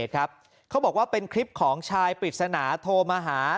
เขาบอกว่าเป็นคลิปของชายปริศนาโทรมาหา